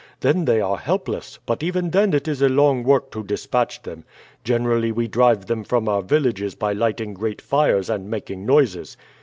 Then they are helpless, but even then it is a long work to dispatch them. Generally we drive them from our villages by lighting great fires and making noises.